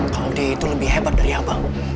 kalau dia itu lebih hebat dari abang